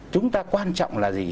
chúng ta quan trọng là gì